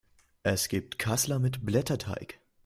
Es gibt Kassler mit Blätterteig.